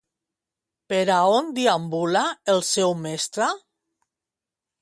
Per on deambula el seu Mestre?